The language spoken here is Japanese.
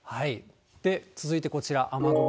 続いてこちら。